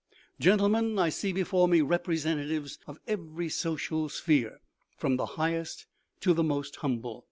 " Gentlemen, I see before me representatives of every social sphere, from the highest to the most humble.